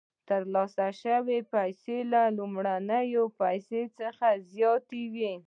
ترلاسه شوې پیسې له لومړنیو پیسو څخه زیاتې وي